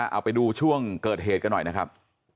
เอาไปดูช่วงเกิดเหตุกันหน่อยนะครับ